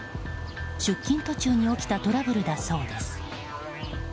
出勤途中に起きたトラブルだそうです。